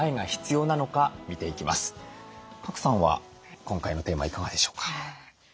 賀来さんは今回のテーマいかがでしょうか？